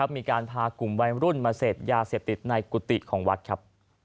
มีการพากลุ่มวัยรุ่นมาเสพยาเสพติดในกุฏิของวัดครับ